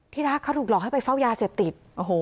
ที่รักเขาถูกหลอกให้ไปเฝ้ายาเสียติด